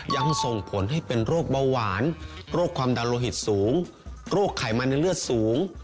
ยังส่งผลให้เป็นโรคเบาหวานโรคความดันโลหิตสูงโรคไขมันในเลือดสูง